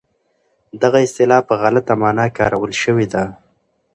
دغه اصطلاح په غلطه مانا کارول شوې ده.